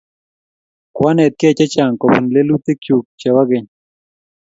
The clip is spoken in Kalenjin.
Kwanetkey chechang' kopun lelutik chuk chepo keny